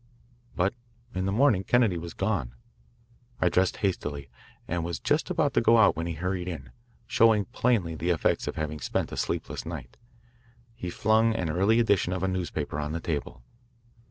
But in the morning Kennedy was gone. I dressed hastily, and was just about to go out when he hurried in, showing plainly the effects of having spent a sleepless night. He flung an early edition of a newspaper on the table.